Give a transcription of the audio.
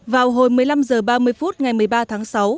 vào hồi một mươi năm h ba mươi phút ngày một mươi ba tháng sáu